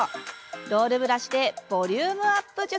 ロールブラシでボリュームアップ術。